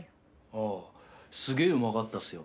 ああすげえうまかったっすよ。